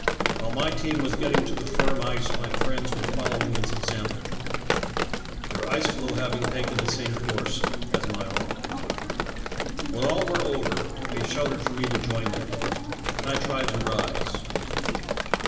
While my team was getting to the firm ice my friends were following its example, their ice ^loe having taken the same, course as my own. When all were over, they shouted for me to join them, and I tried to rise.